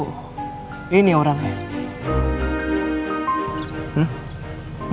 oh ini orangnya